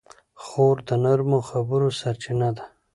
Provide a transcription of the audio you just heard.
خور د نرمو خبرو سرچینه ده.